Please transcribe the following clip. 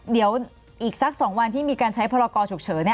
เดี๋ยวอีกสัก๒วันที่มีการใช้พรกรฉุกเฉิน